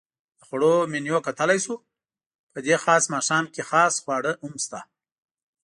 د خوړو منیو کتلای شو؟ په دې خاص ماښام کې خاص خواړه هم شته.